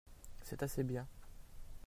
c'est assez bien.